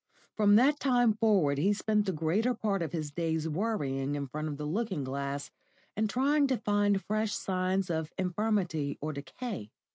From that time forward he spent the greater part of his days worrying in front of the looking glass and trying to find fresh signs of infirmity and decay.